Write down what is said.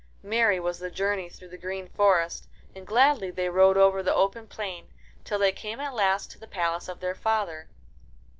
Merry was the journey through the green forest, and gladly they rode over the open plain, till they came at last to the palace of her father.